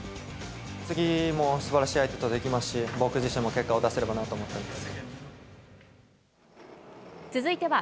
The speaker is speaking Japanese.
次もすばらしい相手とできますし、僕自身も結果を出せればなと思ってます。